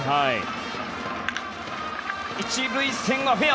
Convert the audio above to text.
１塁線、フェア。